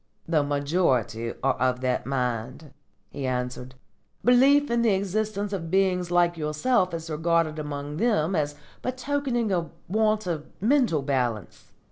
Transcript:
"The majority are of that mind," he answered. "Belief in the existence of beings like yourself is regarded among them as betokening a want of mental balance.